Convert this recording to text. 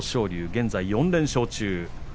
現在４連勝中。